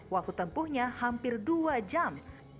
waktu tempuhnya hampir dua jam